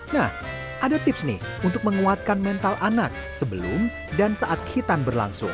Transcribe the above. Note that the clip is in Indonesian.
nah ada tips nih untuk menguatkan mental anak sebelum dan saat hitan berlangsung